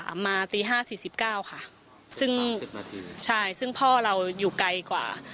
ตี๕๑๐นาทีเหรอคะใช่ซึ่งพ่อเราอยู่ไกลกว่า